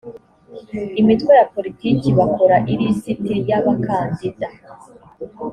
imitwe ya politiki bakora ilisiti y abakandida